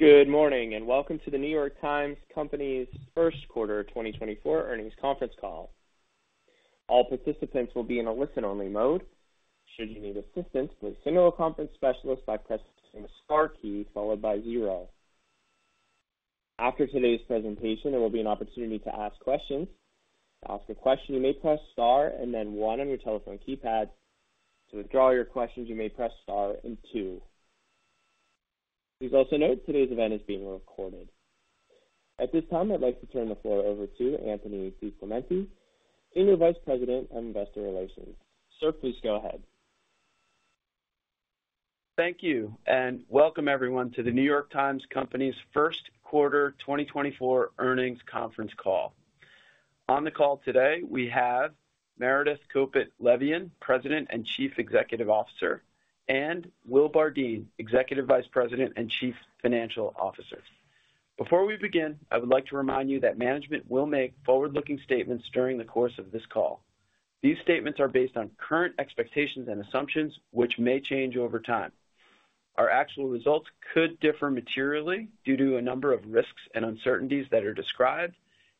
Good morning and welcome to The New York Times Company's first quarter 2024 earnings conference call. All participants will be in a listen-only mode. Should you need assistance, please signal a conference specialist by pressing the star key followed by 0. After today's presentation, there will be an opportunity to ask questions. To ask a question, you may press star and then 1 on your telephone keypad. To withdraw your questions, you may press star and 2. Please also note today's event is being recorded. At this time, I'd like to turn the floor over to Anthony DiClemente, senior vice president of investor relations. Sir, please go ahead. Thank you and welcome everyone to The New York Times Company's first quarter 2024 earnings conference call. On the call today, we have Meredith Kopit Levien, President and Chief Executive Officer, and Will Bardeen, Executive Vice President and Chief Financial Officer. Before we begin, I would like to remind you that management will make forward-looking statements during the course of this call. These statements are based on current expectations and assumptions, which may change over time. Our actual results could differ materially due to a number of risks and uncertainties that are described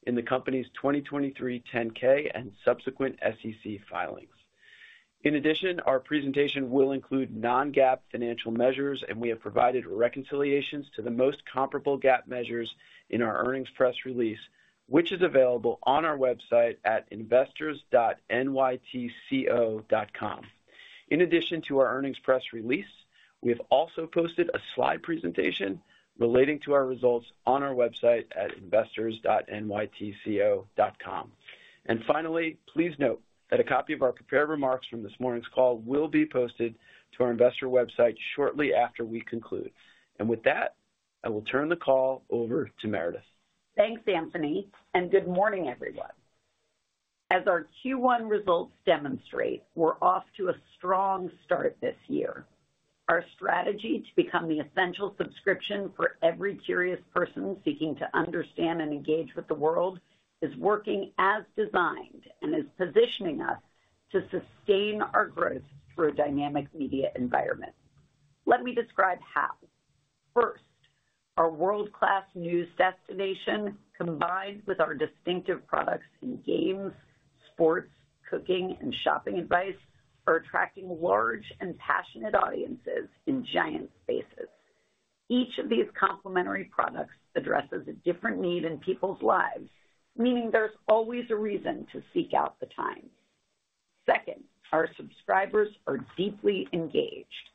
in the company's 2023 10-K and subsequent SEC filings. In addition, our presentation will include non-GAAP financial measures, and we have provided reconciliations to the most comparable GAAP measures in our earnings press release, which is available on our website at investors.nytco.com. In addition to our earnings press release, we have also posted a slide presentation relating to our results on our website at investors.nytco.com. Finally, please note that a copy of our prepared remarks from this morning's call will be posted to our investor website shortly after we conclude. With that, I will turn the call over to Meredith. Thanks, Anthony, and good morning, everyone. As our Q1 results demonstrate, we're off to a strong start this year. Our strategy to become the essential subscription for every curious person seeking to understand and engage with the world is working as designed and is positioning us to sustain our growth through a dynamic media environment. Let me describe how. First, our world-class news destination, combined with our distinctive products in games, sports, cooking, and shopping advice, are attracting large and passionate audiences in giant spaces. Each of these complementary products addresses a different need in people's lives, meaning there's always a reason to seek out The Times. Second, our subscribers are deeply engaged.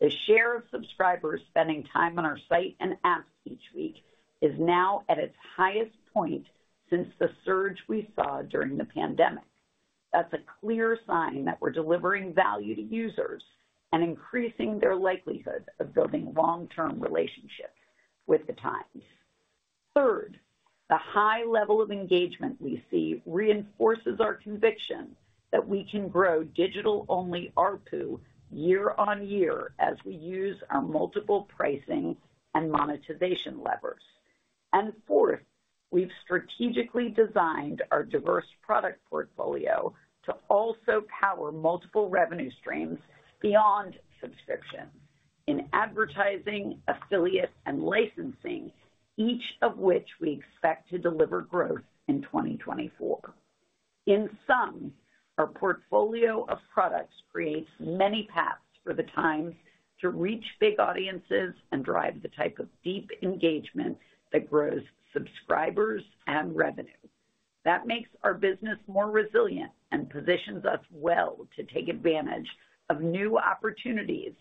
The share of subscribers spending time on our site and apps each week is now at its highest point since the surge we saw during the pandemic. That's a clear sign that we're delivering value to users and increasing their likelihood of building long-term relationships with The Times. Third, the high level of engagement we see reinforces our conviction that we can grow digital-only ARPU year on year as we use our multiple pricing and monetization levers. Fourth, we've strategically designed our diverse product portfolio to also power multiple revenue streams beyond subscriptions in advertising, affiliate, and licensing, each of which we expect to deliver growth in 2024. In sum, our portfolio of products creates many paths for The Times to reach big audiences and drive the type of deep engagement that grows subscribers and revenue. That makes our business more resilient and positions us well to take advantage of new opportunities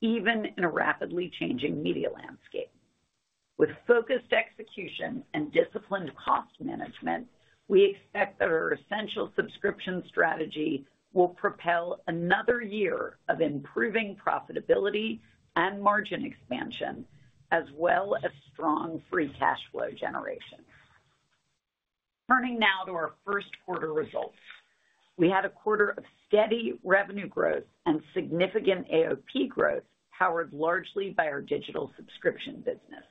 even in a rapidly changing media landscape. With focused execution and disciplined cost management, we expect that our essential subscription strategy will propel another year of improving profitability and margin expansion, as well as strong free cash flow generation. Turning now to our first quarter results. We had a quarter of steady revenue growth and significant AOP growth powered largely by our digital subscription business.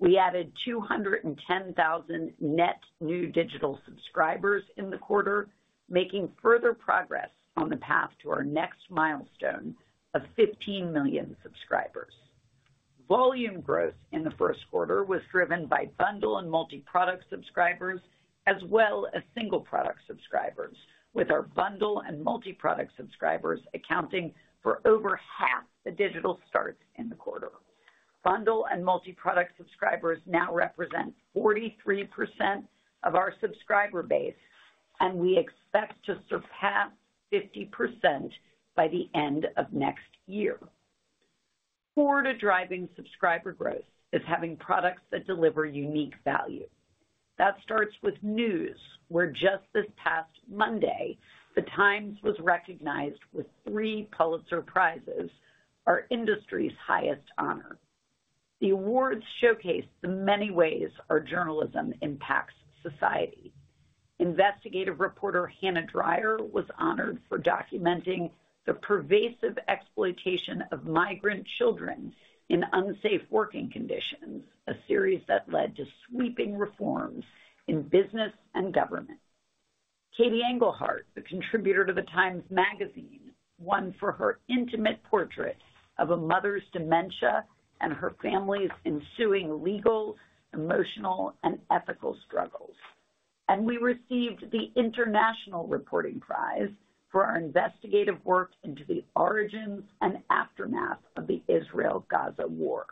We added 210,000 net new digital subscribers in the quarter, making further progress on the path to our next milestone of 15 million subscribers. Volume growth in the first quarter was driven by bundle and multi-product subscribers, as well as single product subscribers, with our bundle and multi-product subscribers accounting for over half the digital starts in the quarter. Bundle and multi-product subscribers now represent 43% of our subscriber base, and we expect to surpass 50% by the end of next year. Key to driving subscriber growth is having products that deliver unique value. That starts with news, where just this past Monday, the Times was recognized with three Pulitzer Prizes, our industry's highest honor. The awards showcased the many ways our journalism impacts society. Investigative reporter Hannah Dreier was honored for documenting the pervasive exploitation of migrant children in unsafe working conditions, a series that led to sweeping reforms in business and government. Katie Engelhart, the contributor to the Times Magazine, won for her intimate portrait of a mother's dementia and her family's ensuing legal, emotional, and ethical struggles. We received the International Reporting Prize for our investigative work into the origins and aftermath of the Israel-Gaza War.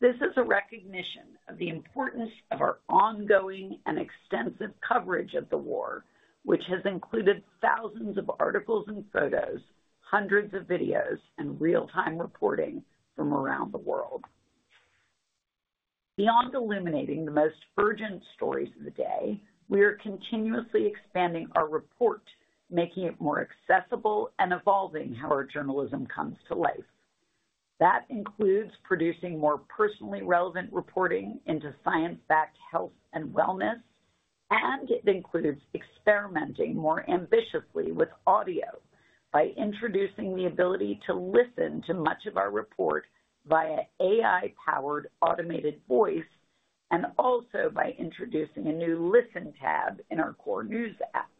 This is a recognition of the importance of our ongoing and extensive coverage of the war, which has included thousands of articles and photos, hundreds of videos, and real-time reporting from around the world. Beyond illuminating the most urgent stories of the day, we are continuously expanding our report, making it more accessible and evolving how our journalism comes to life. That includes producing more personally relevant reporting into science-backed health and wellness, and it includes experimenting more ambitiously with audio by introducing the ability to listen to much of our report via AI-powered automated voice and also by introducing a new Listen tab in our core news app.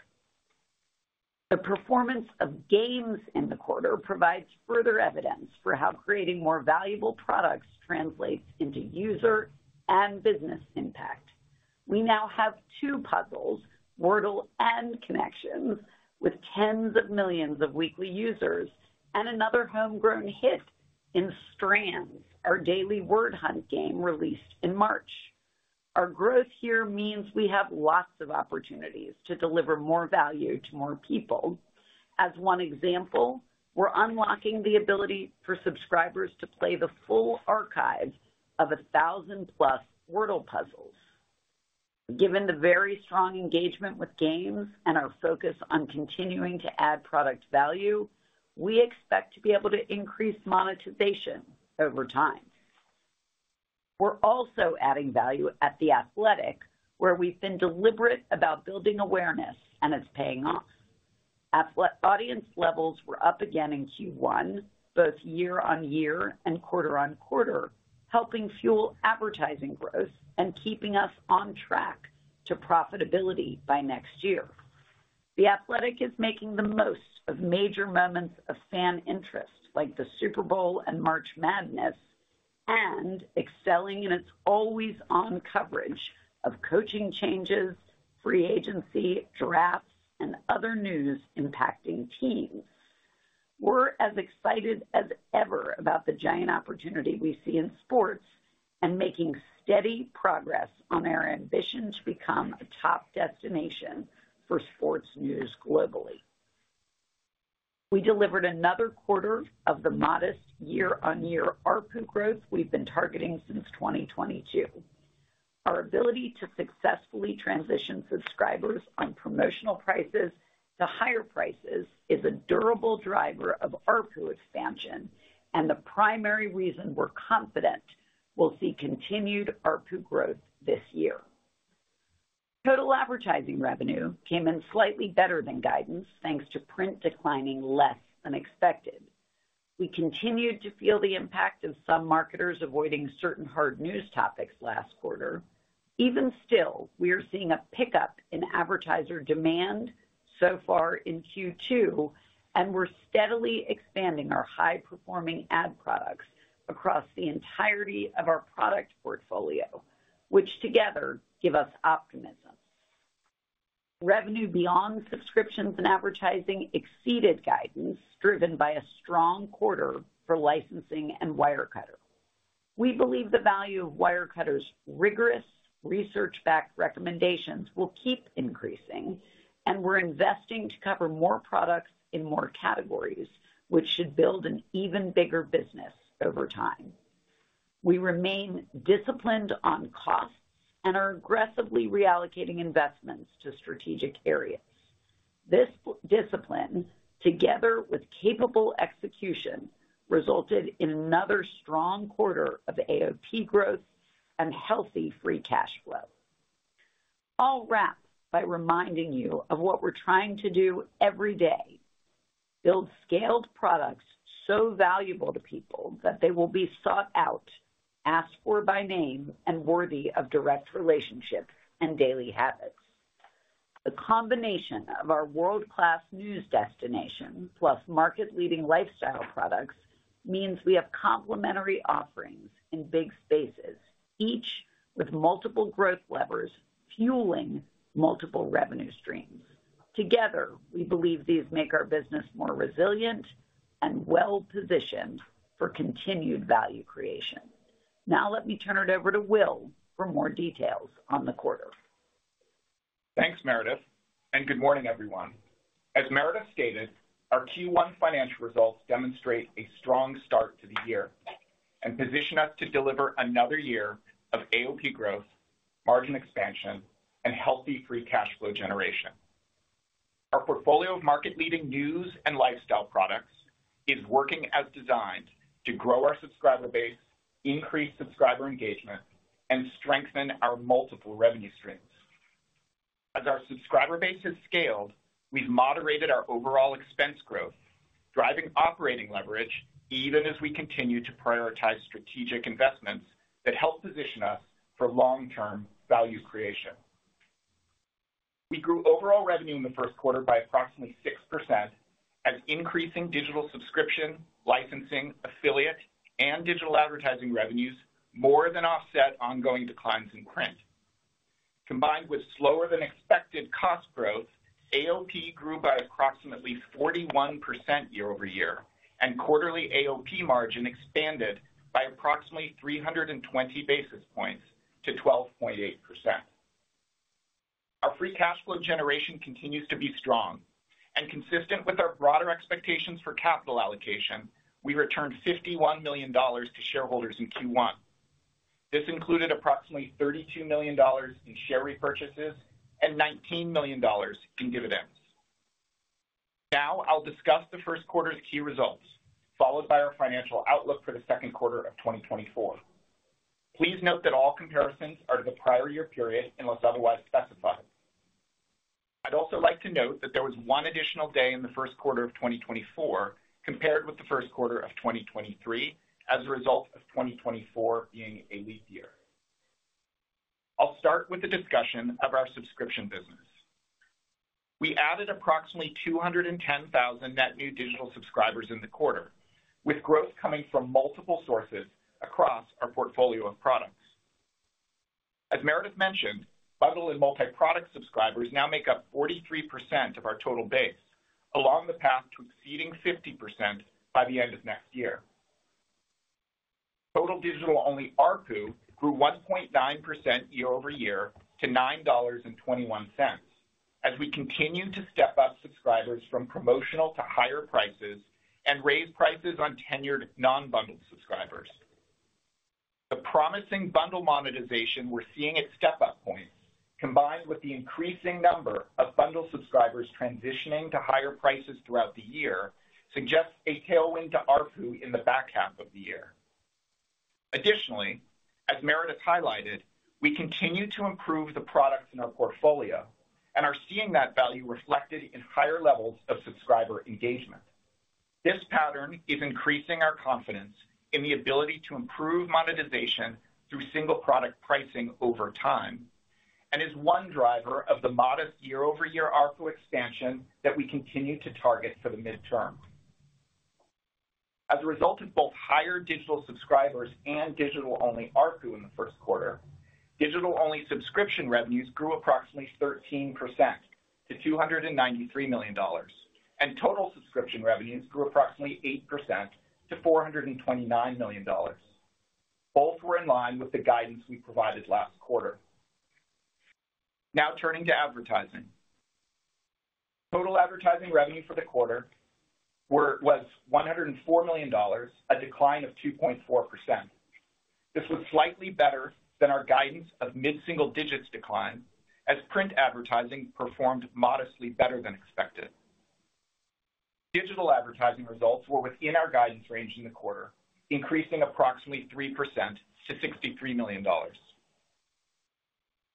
The performance of games in the quarter provides further evidence for how creating more valuable products translates into user and business impact. We now have two puzzles, Wordle and Connections, with tens of millions of weekly users, and another homegrown hit in Strands, our daily word hunt game released in March. Our growth here means we have lots of opportunities to deliver more value to more people. As one example, we're unlocking the ability for subscribers to play the full archive of 1,000-plus Wordle puzzles. Given the very strong engagement with games and our focus on continuing to add product value, we expect to be able to increase monetization over time. We're also adding value at The Athletic, where we've been deliberate about building awareness, and it's paying off. Audience levels were up again in Q1, both year-over-year and quarter-over-quarter, helping fuel advertising growth and keeping us on track to profitability by next year. The Athletic is making the most of major moments of fan interest, like the Super Bowl and March Madness, and excelling in its always-on coverage of coaching changes, free agency, drafts, and other news impacting teams. We're as excited as ever about the giant opportunity we see in sports and making steady progress on our ambition to become a top destination for sports news globally. We delivered another quarter of the modest year-on-year ARPU growth we've been targeting since 2022. Our ability to successfully transition subscribers on promotional prices to higher prices is a durable driver of ARPU expansion, and the primary reason we're confident we'll see continued ARPU growth this year. Total advertising revenue came in slightly better than guidance, thanks to print declining less than expected. We continued to feel the impact of some marketers avoiding certain hard news topics last quarter. Even still, we are seeing a pickup in advertiser demand so far in Q2, and we're steadily expanding our high-performing ad products across the entirety of our product portfolio, which together give us optimism. Revenue beyond subscriptions and advertising exceeded guidance, driven by a strong quarter for licensing and Wirecutter. We believe the value of Wirecutter's rigorous, research-backed recommendations will keep increasing, and we're investing to cover more products in more categories, which should build an even bigger business over time. We remain disciplined on costs and are aggressively reallocating investments to strategic areas. This discipline, together with capable execution, resulted in another strong quarter of AOP growth and healthy free cash flow. I'll wrap by reminding you of what we're trying to do every day: build scaled products so valuable to people that they will be sought out, asked for by name, and worthy of direct relationships and daily habits. The combination of our world-class news destination plus market-leading lifestyle products means we have complementary offerings in big spaces, each with multiple growth levers fueling multiple revenue streams. Together, we believe these make our business more resilient and well-positioned for continued value creation. Now let me turn it over to Will for more details on the quarter. Thanks, Meredith, and good morning, everyone. As Meredith stated, our Q1 financial results demonstrate a strong start to the year and position us to deliver another year of AOP growth, margin expansion, and healthy free cash flow generation. Our portfolio of market-leading news and lifestyle products is working as designed to grow our subscriber base, increase subscriber engagement, and strengthen our multiple revenue streams. As our subscriber base has scaled, we've moderated our overall expense growth, driving operating leverage even as we continue to prioritize strategic investments that help position us for long-term value creation. We grew overall revenue in the first quarter by approximately 6% as increasing digital subscription, licensing, affiliate, and digital advertising revenues more than offset ongoing declines in print. Combined with slower-than-expected cost growth, AOP grew by approximately 41% year-over-year, and quarterly AOP margin expanded by approximately 320 basis points to 12.8%. Our free cash flow generation continues to be strong, and consistent with our broader expectations for capital allocation, we returned $51 million to shareholders in Q1. This included approximately $32 million in share repurchases and $19 million in dividends. Now I'll discuss the first quarter's key results, followed by our financial outlook for the second quarter of 2024. Please note that all comparisons are to the prior year period unless otherwise specified. I'd also like to note that there was one additional day in the first quarter of 2024 compared with the first quarter of 2023 as a result of 2024 being a leap year. I'll start with the discussion of our subscription business. We added approximately 210,000 net new digital subscribers in the quarter, with growth coming from multiple sources across our portfolio of products. As Meredith mentioned, bundle and multi-product subscribers now make up 43% of our total base, along the path to exceeding 50% by the end of next year. Total digital-only ARPU grew 1.9% year-over-year to $9.21 as we continue to step up subscribers from promotional to higher prices and raise prices on tenured non-bundled subscribers. The promising bundle monetization we're seeing at step-up points, combined with the increasing number of bundle subscribers transitioning to higher prices throughout the year, suggests a tailwind to ARPU in the back half of the year. Additionally, as Meredith highlighted, we continue to improve the products in our portfolio and are seeing that value reflected in higher levels of subscriber engagement. This pattern is increasing our confidence in the ability to improve monetization through single product pricing over time and is one driver of the modest year-over-year ARPU expansion that we continue to target for the midterm. As a result of both higher digital subscribers and digital-only ARPU in the first quarter, digital-only subscription revenues grew approximately 13% to $293 million, and total subscription revenues grew approximately 8% to $429 million. Both were in line with the guidance we provided last quarter. Now turning to advertising. Total advertising revenue for the quarter was $104 million, a decline of 2.4%. This was slightly better than our guidance of mid-single digits decline as print advertising performed modestly better than expected. Digital advertising results were within our guidance range in the quarter, increasing approximately 3% to $63 million.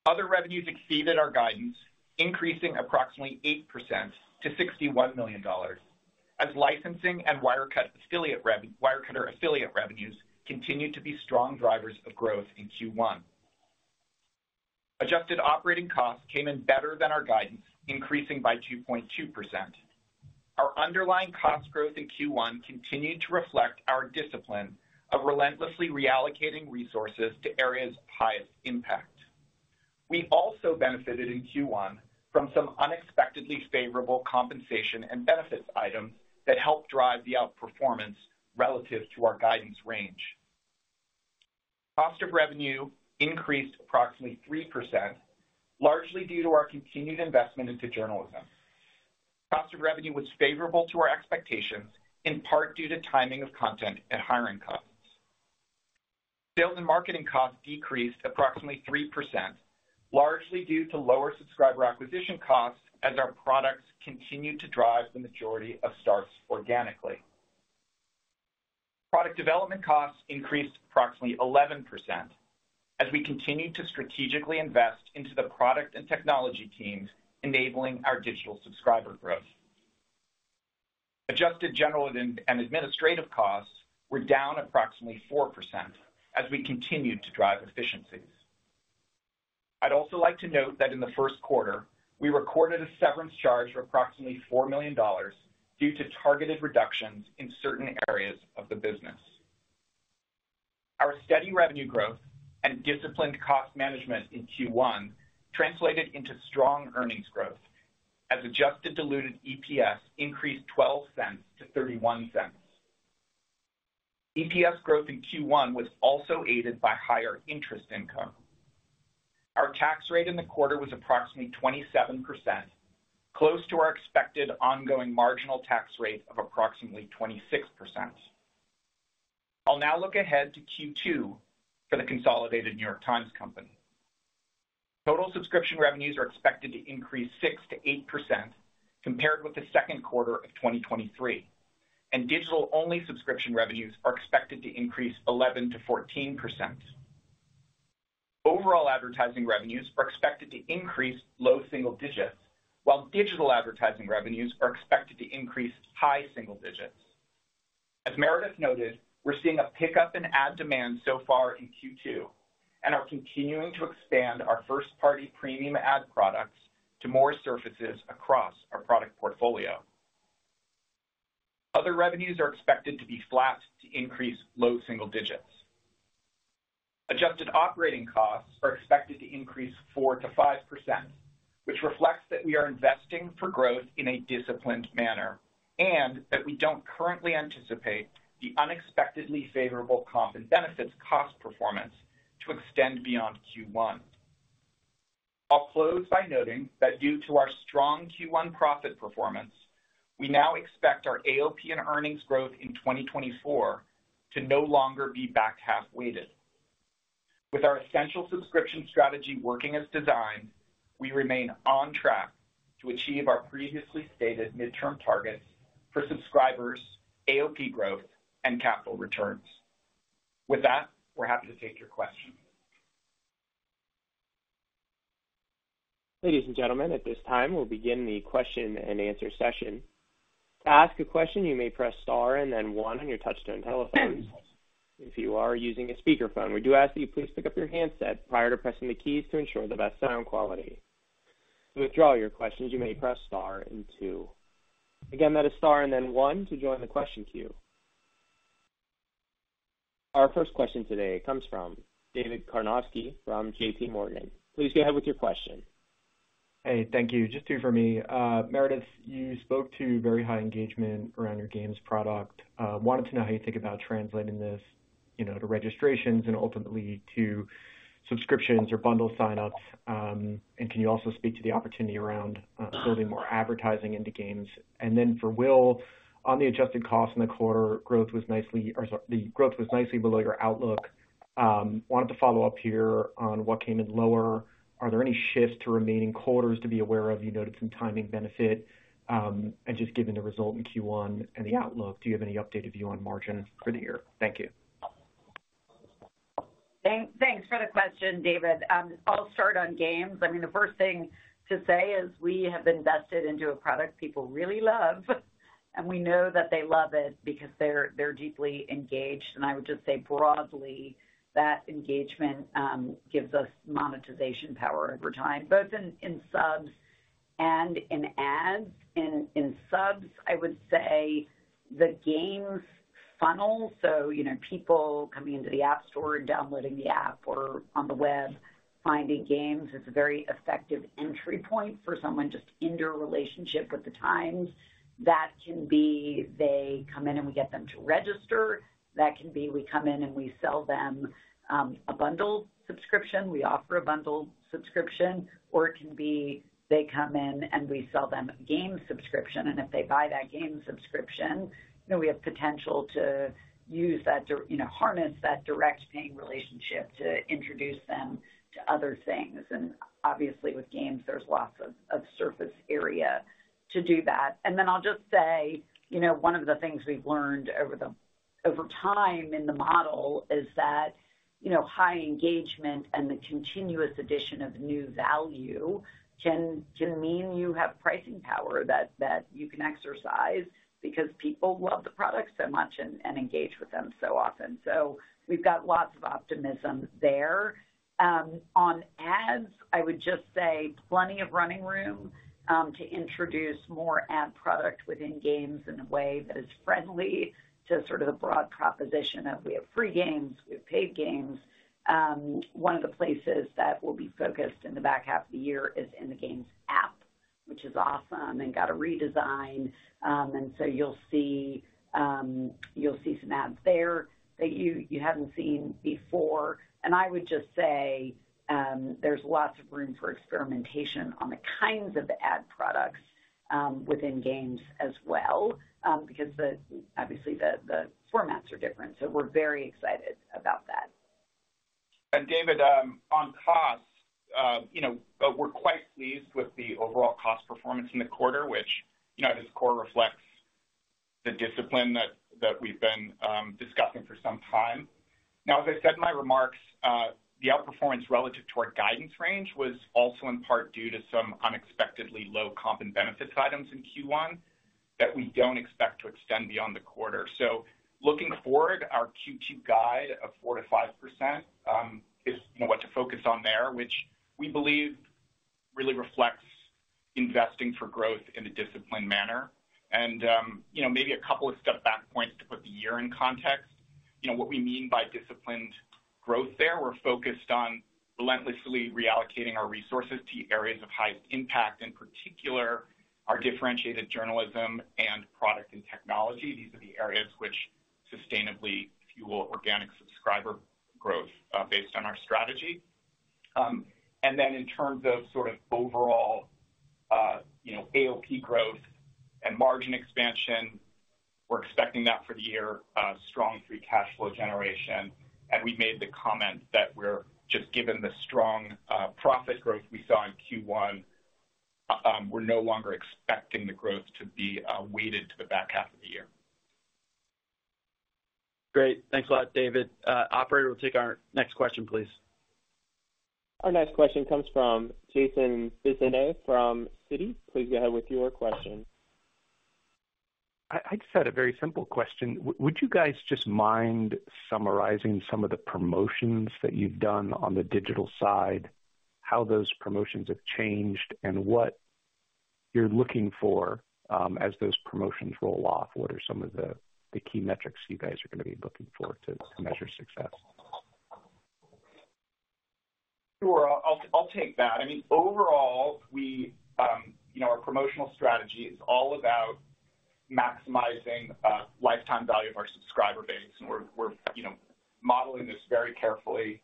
Other revenues exceeded our guidance, increasing approximately 8% to $61 million as licensing and Wirecutter affiliate revenues continued to be strong drivers of growth in Q1. Adjusted operating costs came in better than our guidance, increasing by 2.2%. Our underlying cost growth in Q1 continued to reflect our discipline of relentlessly reallocating resources to areas of highest impact. We also benefited in Q1 from some unexpectedly favorable compensation and benefits items that helped drive the outperformance relative to our guidance range. Cost of revenue increased approximately 3%, largely due to our continued investment into journalism. Cost of revenue was favorable to our expectations, in part due to timing of content and hiring costs. Sales and marketing costs decreased approximately 3%, largely due to lower subscriber acquisition costs as our products continued to drive the majority of starts organically. Product development costs increased approximately 11% as we continued to strategically invest into the product and technology teams, enabling our digital subscriber growth. Adjusted general and administrative costs were down approximately 4% as we continued to drive efficiencies. I'd also like to note that in the first quarter, we recorded a severance charge of approximately $4 million due to targeted reductions in certain areas of the business. Our steady revenue growth and disciplined cost management in Q1 translated into strong earnings growth as adjusted diluted EPS increased $0.12 to $0.31. EPS growth in Q1 was also aided by higher interest income. Our tax rate in the quarter was approximately 27%, close to our expected ongoing marginal tax rate of approximately 26%. I'll now look ahead to Q2 for the Consolidated New York Times Company. Total subscription revenues are expected to increase 6%-8% compared with the second quarter of 2023, and digital-only subscription revenues are expected to increase 11%-14%. Overall advertising revenues are expected to increase low single digits, while digital advertising revenues are expected to increase high single digits. As Meredith noted, we're seeing a pickup in ad demand so far in Q2 and are continuing to expand our first-party premium ad products to more surfaces across our product portfolio. Other revenues are expected to be flat to increase low single digits. Adjusted operating costs are expected to increase 4%-5%, which reflects that we are investing for growth in a disciplined manner and that we don't currently anticipate the unexpectedly favorable comp and benefits cost performance to extend beyond Q1. I'll close by noting that due to our strong Q1 profit performance, we now expect our AOP and earnings growth in 2024 to no longer be back-half-weighted. With our essential subscription strategy working as designed, we remain on track to achieve our previously stated midterm targets for subscribers, AOP growth, and capital returns. With that, we're happy to take your questions. Ladies and gentlemen, at this time, we'll begin the question-and-answer session. To ask a question, you may press star and then one on your touch-tone telephones if you are using a speakerphone. We do ask that you please pick up your handset prior to pressing the keys to ensure the best sound quality. To withdraw your questions, you may press star and two. Again, that is star and then one to join the question queue. Our first question today comes from David Karnovsky from JPMorgan. Please go ahead with your question. Hey, thank you. Just two for me. Meredith, you spoke to very high engagement around your games product. Wanted to know how you think about translating this to registrations and ultimately to subscriptions or bundle signups. And can you also speak to the opportunity around building more advertising into games? And then for Will, on the adjusted costs in the quarter, growth was nicely or sorry, the growth was nicely below your outlook. Wanted to follow up here on what came in lower. Are there any shifts to remaining quarters to be aware of? You noted some timing benefit. And just given the result in Q1 and the outlook, do you have any updated view on margin for the year? Thank you. Thanks for the question, David. I'll start on games. I mean, the first thing to say is we have invested into a product people really love, and we know that they love it because they're deeply engaged. And I would just say broadly that engagement gives us monetization power over time, both in subs and in ads. In subs, I would say the games funnel so people coming into the app store and downloading the app or on the web finding games is a very effective entry point for someone just in their relationship with the Times. That can be they come in and we get them to register. That can be we come in and we sell them a bundle subscription. We offer a bundle subscription. Or it can be they come in and we sell them a game subscription. If they buy that game subscription, we have potential to harness that direct paying relationship to introduce them to other things. Obviously, with games, there's lots of surface area to do that. Then I'll just say one of the things we've learned over time in the model is that high engagement and the continuous addition of new value can mean you have pricing power that you can exercise because people love the product so much and engage with them so often. So we've got lots of optimism there. On ads, I would just say plenty of running room to introduce more ad product within games in a way that is friendly to sort of the broad proposition of we have free games, we have paid games. One of the places that will be focused in the back half of the year is in the games app, which is awesome and got a redesign. So you'll see some ads there that you haven't seen before. I would just say there's lots of room for experimentation on the kinds of ad products within games as well because, obviously, the formats are different. We're very excited about that. And David, on costs, we're quite pleased with the overall cost performance in the quarter, which at its core reflects the discipline that we've been discussing for some time. Now, as I said in my remarks, the outperformance relative to our guidance range was also in part due to some unexpectedly low comp and benefits items in Q1 that we don't expect to extend beyond the quarter. So looking forward, our Q2 guide of 4%-5% is what to focus on there, which we believe really reflects investing for growth in a disciplined manner. And maybe a couple of step-back points to put the year in context. What we mean by disciplined growth there, we're focused on relentlessly reallocating our resources to areas of highest impact, in particular, our differentiated journalism and product and technology. These are the areas which sustainably fuel organic subscriber growth based on our strategy. And then in terms of sort of overall AOP growth and margin expansion, we're expecting that for the year, strong free cash flow generation. And we made the comment that just given the strong profit growth we saw in Q1, we're no longer expecting the growth to be weighted to the back half of the year. Great. Thanks a lot, David. Operator, we'll take our next question, please. Our next question comes from Jason Bazinet from Citi. Please go ahead with your question. I just had a very simple question. Would you guys just mind summarizing some of the promotions that you've done on the digital side, how those promotions have changed, and what you're looking for as those promotions roll off? What are some of the key metrics you guys are going to be looking for to measure success? Sure. I'll take that. I mean, overall, our promotional strategy is all about maximizing lifetime value of our subscriber base, and we're modeling this very carefully.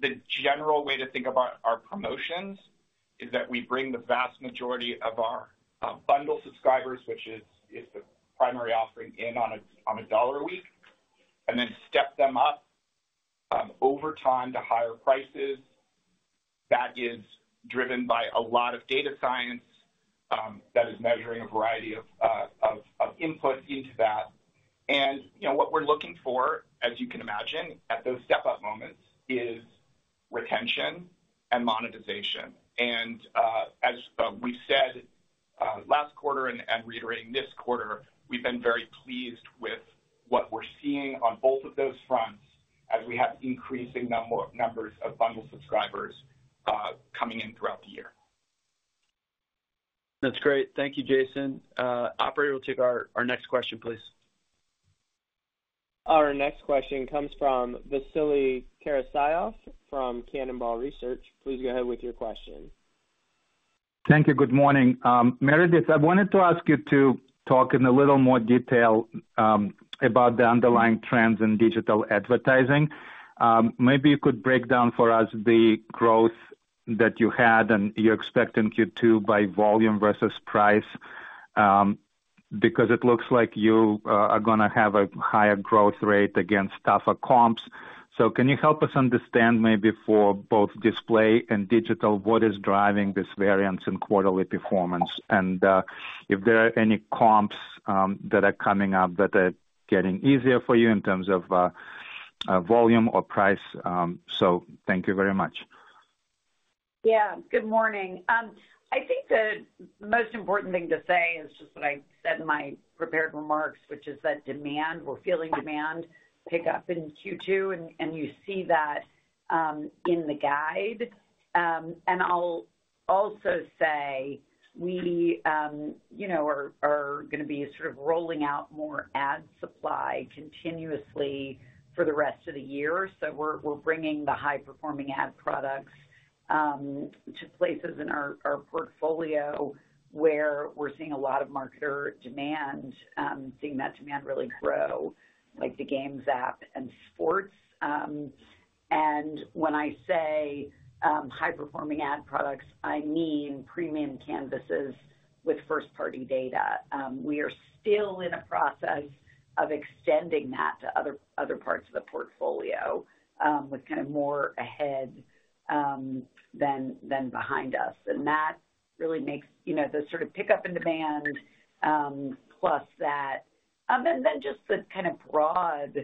The general way to think about our promotions is that we bring the vast majority of our bundle subscribers, which is the primary offering, in on $1 a week and then step them up over time to higher prices. That is driven by a lot of data science that is measuring a variety of inputs into that. What we're looking for, as you can imagine at those step-up moments, is retention and monetization. As we've said last quarter and reiterating this quarter, we've been very pleased with what we're seeing on both of those fronts as we have increasing numbers of bundle subscribers coming in throughout the year. That's great. Thank you, Jason. Operator, we'll take our next question, please. Our next question comes from Vasily Karasyov from Cannonball Research. Please go ahead with your question. Thank you. Good morning. Meredith, I wanted to ask you to talk in a little more detail about the underlying trends in digital advertising. Maybe you could break down for us the growth that you had and you're expecting Q2 by volume versus price because it looks like you are going to have a higher growth rate against tougher comps. So can you help us understand maybe for both display and digital, what is driving this variance in quarterly performance and if there are any comps that are coming up that are getting easier for you in terms of volume or price? So thank you very much. Yeah. Good morning. I think the most important thing to say is just what I said in my prepared remarks, which is that demand, we're feeling demand pick up in Q2, and you see that in the guide. And I'll also say we are going to be sort of rolling out more ad supply continuously for the rest of the year. So we're bringing the high-performing ad products to places in our portfolio where we're seeing a lot of marketer demand, seeing that demand really grow, like the games app and sports. And when I say high-performing ad products, I mean premium canvases with first-party data. We are still in a process of extending that to other parts of the portfolio with kind of more ahead than behind us. That really makes the sort of pickup in demand plus that and then just the kind of broad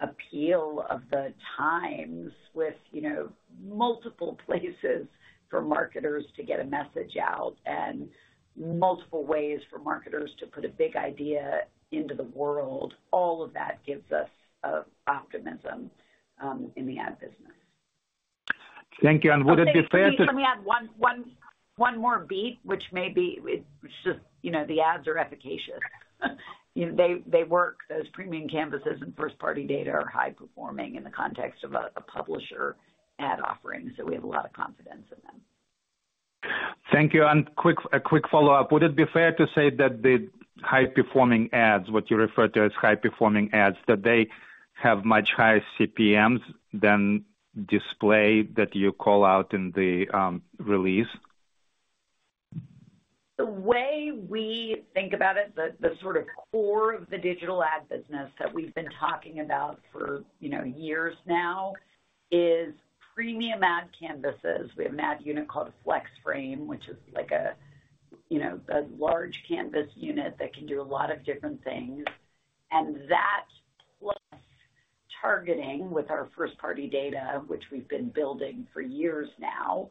appeal of the Times with multiple places for marketers to get a message out and multiple ways for marketers to put a big idea into the world. All of that gives us optimism in the ad business. Thank you. Would it be fair to. Just let me add one more beat, which may be, it's just the ads are efficacious. They work. Those premium canvases and first-party data are high-performing in the context of a publisher ad offering. So we have a lot of confidence in them. Thank you. A quick follow-up. Would it be fair to say that the high-performing ads, what you refer to as high-performing ads, that they have much higher CPMs than display that you call out in the release? The way we think about it, the sort of core of the digital ad business that we've been talking about for years now is premium ad canvases. We have an ad unit called Flex Frame, which is a large canvas unit that can do a lot of different things. And that plus targeting with our first-party data, which we've been building for years now,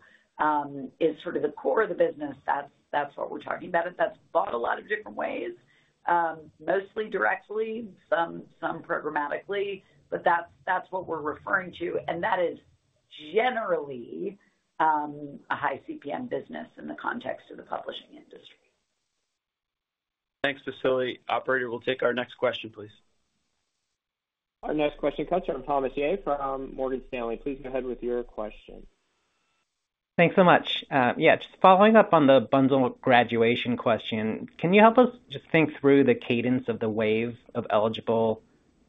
is sort of the core of the business. That's what we're talking about. That's bought a lot of different ways, mostly directly, some programmatically. But that's what we're referring to. And that is generally a high-CPM business in the context of the publishing industry. Thanks, Vasily. Operator, we'll take our next question, please. Our next question comes from Thomas Yeh from Morgan Stanley. Please go ahead with your question. Thanks so much. Yeah, just following up on the bundle graduation question, can you help us just think through the cadence of the wave of eligible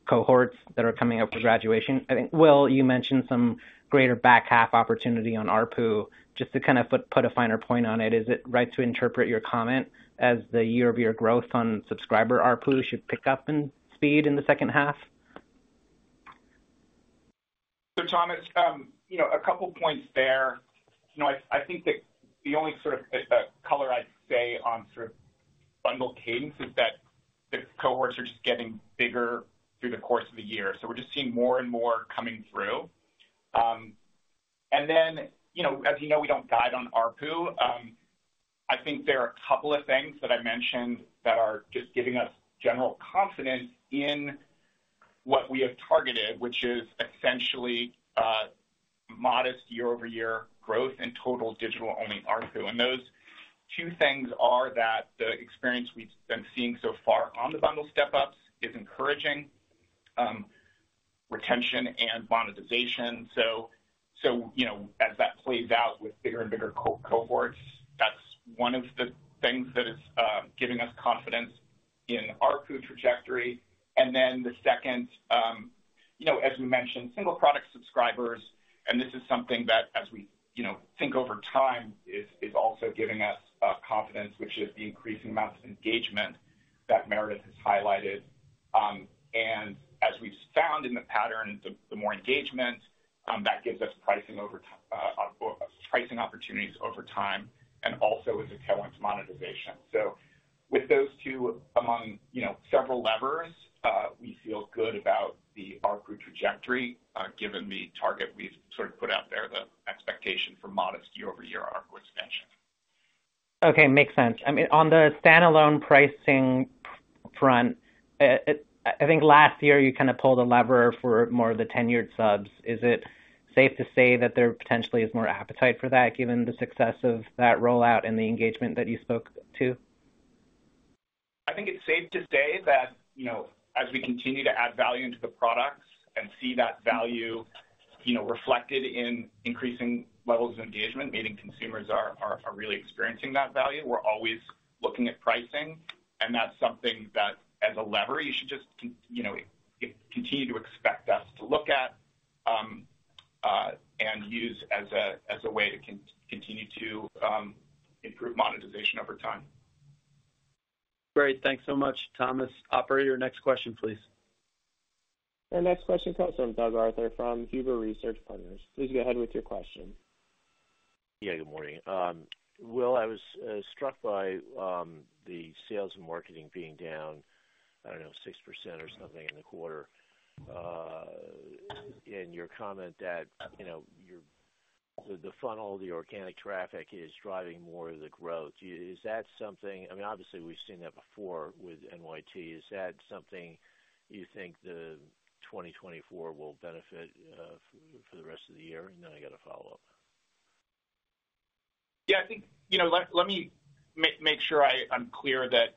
cohorts that are coming up for graduation? I think, Will, you mentioned some greater back half opportunity on ARPU. Just to kind of put a finer point on it, is it right to interpret your comment as the year-over-year growth on subscriber ARPU should pick up in speed in the second half? So, Thomas, a couple of points there. I think that the only sort of color I'd say on sort of bundle cadence is that the cohorts are just getting bigger through the course of the year. So we're just seeing more and more coming through. And then, as you know, we don't guide on ARPU. I think there are a couple of things that I mentioned that are just giving us general confidence in what we have targeted, which is essentially modest year-over-year growth in total digital-only ARPU. And those two things are that the experience we've been seeing so far on the bundle step-ups is encouraging retention and monetization. So as that plays out with bigger and bigger cohorts, that's one of the things that is giving us confidence in ARPU trajectory. And then the second, as we mentioned, single product subscribers. This is something that, as we think over time, is also giving us confidence, which is the increasing amounts of engagement that Meredith has highlighted. As we've found in the pattern, the more engagement, that gives us pricing opportunities over time and also is a tailwind to monetization. With those two among several levers, we feel good about the ARPU trajectory given the target we've sort of put out there, the expectation for modest year-over-year ARPU expansion. Okay. Makes sense. I mean, on the standalone pricing front, I think last year you kind of pulled a lever for more of the tenured subs. Is it safe to say that there potentially is more appetite for that given the success of that rollout and the engagement that you spoke to? I think it's safe to say that as we continue to add value into the products and see that value reflected in increasing levels of engagement, meaning consumers are really experiencing that value, we're always looking at pricing. That's something that, as a lever, you should just continue to expect us to look at and use as a way to continue to improve monetization over time. Great. Thanks so much, Thomas. Operator, your next question, please. Our next question comes from Doug Arthur from Huber Research Partners. Please go ahead with your question. Yeah. Good morning. Will, I was struck by the sales and marketing being down, I don't know, 6% or something in the quarter. In your comment that the funnel, the organic traffic, is driving more of the growth, is that something? I mean, obviously, we've seen that before with NYT. Is that something you think the 2024 will benefit for the rest of the year? And then I got to follow up. Yeah. I think, let me make sure I'm clear that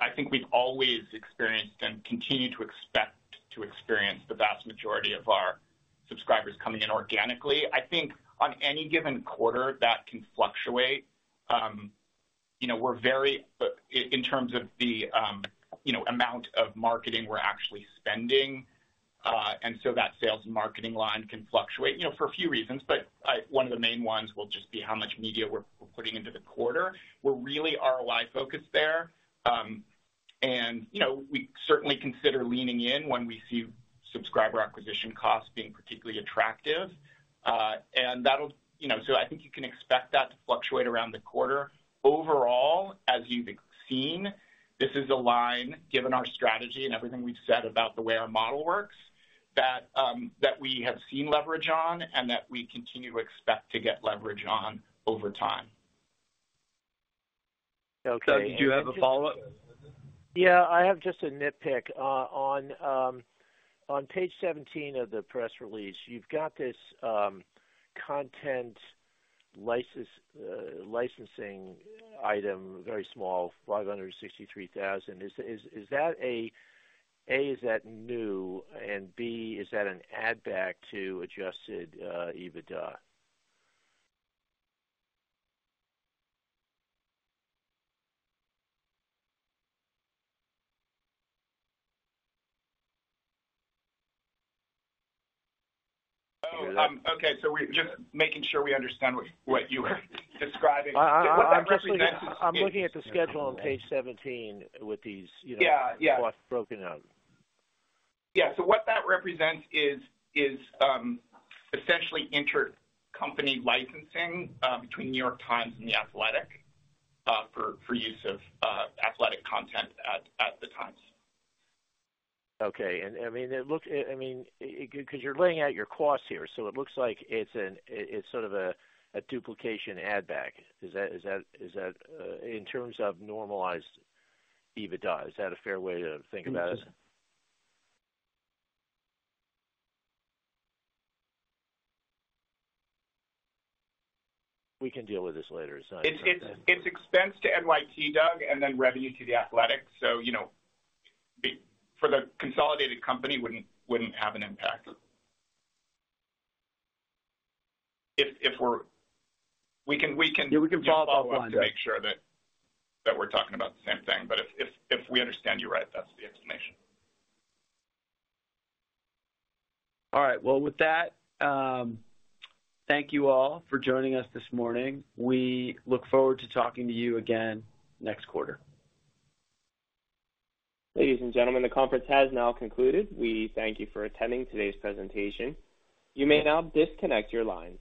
I think we've always experienced and continue to expect to experience the vast majority of our subscribers coming in organically. I think on any given quarter, that can fluctuate. We're very in terms of the amount of marketing we're actually spending, and so that sales and marketing line can fluctuate for a few reasons. But one of the main ones will just be how much media we're putting into the quarter. We're really ROI-focused there. And we certainly consider leaning in when we see subscriber acquisition costs being particularly attractive. And that'll so I think you can expect that to fluctuate around the quarter. Overall, as you've seen, this is a line, given our strategy and everything we've said about the way our model works, that we have seen leverage on and that we continue to expect to get leverage on over time. Doug, did you have a follow-up? Yeah. I have just a nitpick. On page 17 of the press release, you've got this content licensing item, very small, $563,000. A, is that new? And B, is that an add-back to adjusted EBITDA? Oh, okay. So just making sure we understand what you were describing. What that represents is. I'm looking at the schedule on page 17 with these costs broken up. Yeah. Yeah. So what that represents is essentially intercompany licensing between New York Times and The Athletic for use of Athletic content at The Times. Okay. I mean, it looks I mean, because you're laying out your costs here, so it looks like it's sort of a duplication add-back. Is that in terms of normalized EBITDA? Is that a fair way to think about it? We can deal with this later. It's not. It's expense to NYT, Doug, and then revenue to The Athletic. So for the consolidated company, wouldn't have an impact if we're, we can. Yeah. We can follow up on that. Default one to make sure that we're talking about the same thing. But if we understand you right, that's the explanation. All right. Well, with that, thank you all for joining us this morning. We look forward to talking to you again next quarter. Ladies and gentlemen, the conference has now concluded. We thank you for attending today's presentation. You may now disconnect your lines.